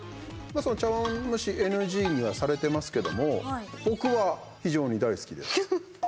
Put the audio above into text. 茶わん蒸しＮＧにはされてますけども僕は非常に大好きですけど。